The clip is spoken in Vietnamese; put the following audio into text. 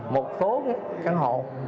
một số căn hộ